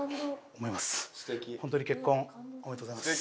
本当に結婚おめでとうございます。